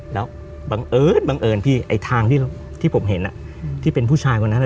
แล้วบังเอิญพี่ทางที่ผมเห็นที่เป็นผู้ชายคนนั้น